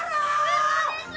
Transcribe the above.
嘘でしょ！